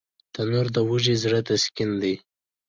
تنور د وږي زړه تسکین دی